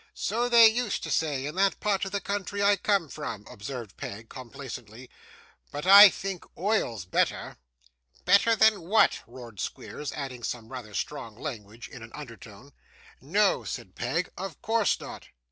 'So they used to say in that part of the country I come from,' observed Peg, complacently, 'but I think oil's better.' 'Better than what?' roared Squeers, adding some rather strong language in an undertone. 'No,' said Peg, 'of course not.